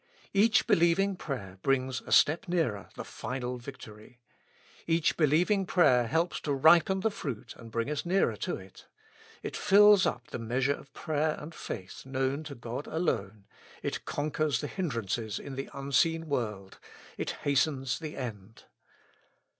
Each believing prayer brings a step nearer the final victory. Each beheving prayer helps to ripen the fruit and bring us nearer to it ; it fills up the measure of prayer and faith known to God alone ; it conquers the hindrances in the unseen world ; it hastens the end.